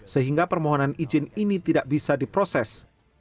sehingga permohonan izin ini tidak bisa diproses